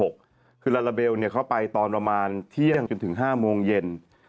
คือลาลาเบลเข้าไปตอนประมาณเที่ยงจนถึง๕โมงเย็น